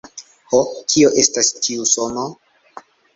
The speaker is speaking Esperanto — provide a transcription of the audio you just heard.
Ho, kio estas tiu sono?